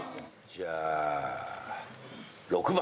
じゃあ６番。